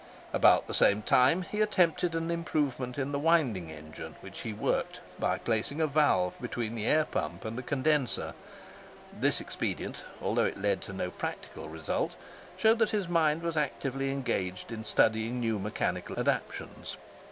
About the same time he attempted an improvement in the winding engine which he worked, by placing a valve between the air pump and condenser. This expedient, although it led to no practical result, showed that his mind was actively engaged in studying new mechanical adaptations.